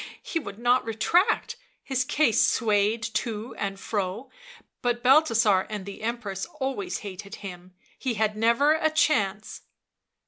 " He would not retract, his case swayed to and fro, but Balthasar and the Empress always hated him, he had never a chance.